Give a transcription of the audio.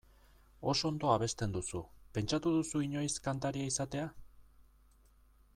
Oso ondo abesten duzu, pentsatu duzu inoiz kantaria izatea?